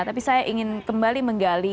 tapi saya ingin kembali menggali